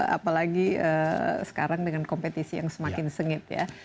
apalagi sekarang dengan kompetisi yang semakin sengit ya